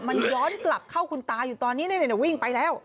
มันย้อนกลับเข้าคุณตาอยู่ตอนนี้วิ่งไปแล้ว